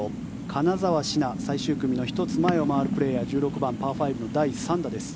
金澤志奈、最終組の１つ前を回るプレーヤー１６番、パー５の第３打です。